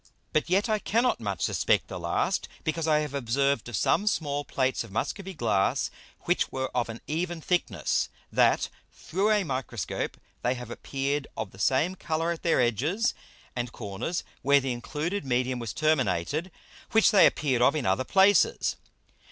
But yet I cannot much suspect the last, because I have observed of some small Plates of Muscovy Glass which were of an even thickness, that through a Microscope they have appeared of the same Colour at their edges and corners where the included Medium was terminated, which they appeared of in other places.